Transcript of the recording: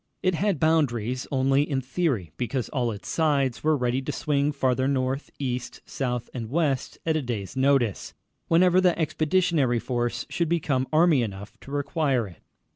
It had boundaries only in theory, because all its sides were ready to swing farther north, east, south, and west at a day's notice, whenever the Expeditionary Force should become army enough to require it.